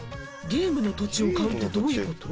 ゲームの土地を買うってどういうこと？